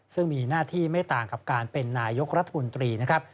ซึ่งมีหน้าที่ไม่ต่างกับการเป็นนายกรัฐมนตรีนะครับ